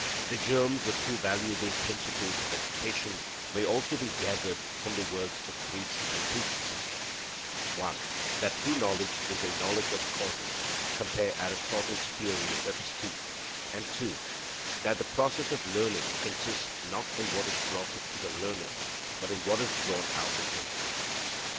The germs of two valuable principles of education may also be gathered from the 'words of priests and priestesses:' (1) that true knowledge is a knowledge of causes (compare Aristotle's theory of episteme); and (2) that the process of learning consists not in what is brought to the learner, but in what is drawn out of him.